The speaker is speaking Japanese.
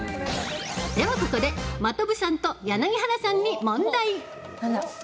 では、ここで真飛さんと柳原さんに問題。